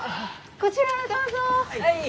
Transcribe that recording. こちらにどうぞ！